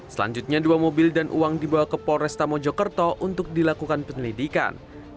selanjutnya dua mobil dan uang dibawa ke polresta mojokerto untuk dilakukan penyelidikan